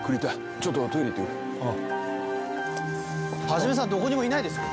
始さんどこにもいないですよ。